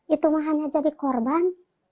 itu mah hanya jadi korban